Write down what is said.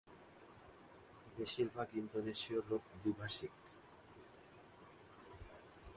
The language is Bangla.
বেশির ভাগ ইন্দোনেশীয় লোক দ্বিভাষিক।